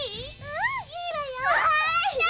うんいいわよ。